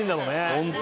「ホント」